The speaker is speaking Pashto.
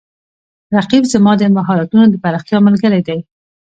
رقیب زما د مهارتونو د پراختیا ملګری دی